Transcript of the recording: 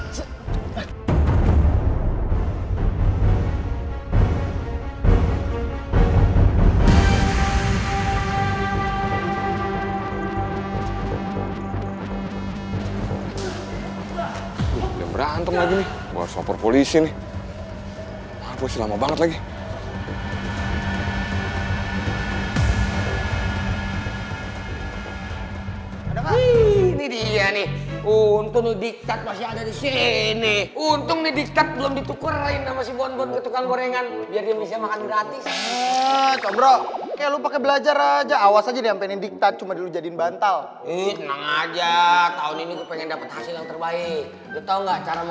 tembak tembak traktor berjalan selanjutnya